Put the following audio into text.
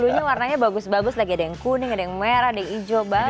bulunya warnanya bagus bagus ada yang kuning ada yang merah ada yang hijau bagus